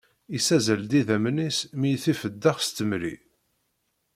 Yessazzel-d idammen-is mi i t-ifeddex s temri